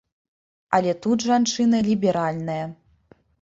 Але тут жанчына ліберальная.